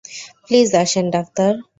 Please আসেন, doctor.